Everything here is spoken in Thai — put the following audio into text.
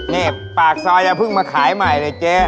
นี่ปากซอยอย่าเพิ่งมาขายใหม่เลยเจ๊